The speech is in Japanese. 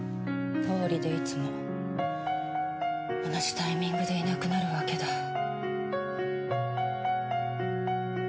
どうりでいつも同じタイミングでいなくなるわけだ。